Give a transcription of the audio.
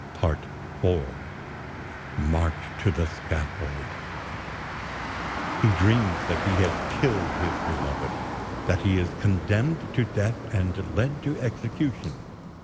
"PART IV "MARCH TO THE SCAFFOLD "He dreams that he has killed his beloved, that he is condemned to death and led to execution.